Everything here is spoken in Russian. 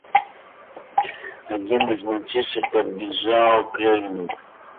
Один из мальчишек подбежал к Левину.